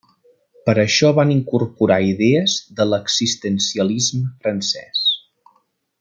Per això van incorporar idees de l'existencialisme francès.